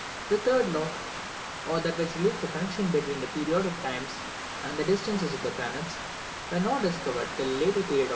The third law, or that which relates to the connexion between the periodic times and the distances of the planets, was not discovered till a later period of his life.